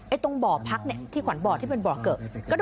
ไอ้ตรงบ่อพักเนี่ยที่ขวัญบ่อที่เป็นบ่อเกิก